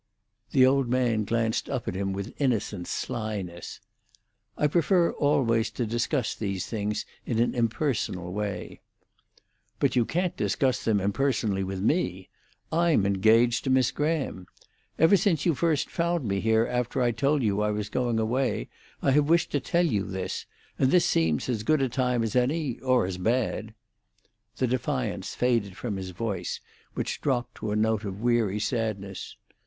The old man glanced up at him with innocent slyness. "I prefer always to discuss these things in an impersonal way." "But you can't discuss them impersonally with me; I'm engaged to Miss Graham. Ever since you first found me here after I told you I was going away I have wished to tell you this, and this seems as good a time as any—or as bad." The defiance faded from his voice, which dropped to a note of weary sadness.